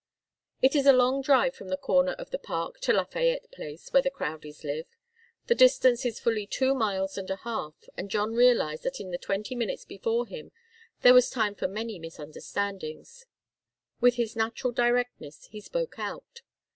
It is a long drive from the corner of the Park to Lafayette Place, where the Crowdies lived. The distance is fully two miles and a half, and John realized that in the twenty minutes before him there was time for many misunderstandings. With his natural directness, he spoke out.